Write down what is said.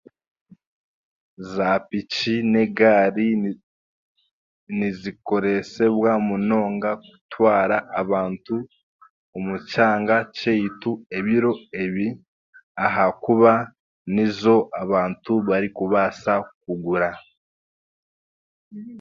Za piki n'egaari ni niziresibwa kutwara abantu omu kyanga kyaitu ebiro ebi, ahakuba nizo abantu barikubaasa kugura